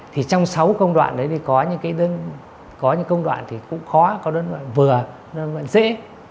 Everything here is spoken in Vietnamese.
trong sáu công đoạn đấy có những công đoạn cũng khó có đơn vị vừa đơn vị dễ